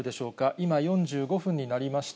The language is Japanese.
今、４５分になりました。